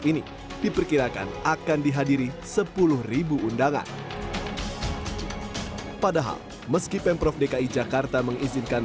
ini diperkirakan akan dihadiri sepuluh undangan padahal meski pemprov dki jakarta mengizinkan